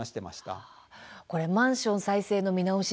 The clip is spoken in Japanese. マンション再生の見直し